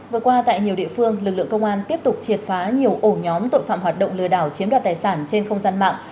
vừa qua tại nhiều địa phương lực lượng công an tiếp tục triệt phá nhiều ổ nhóm tội phạm hoạt động lừa đảo chiếm đoạt tài sản trên không gian mạng